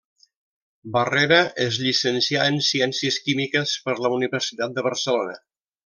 Barrera es llicencià en ciències químiques per la Universitat de Barcelona.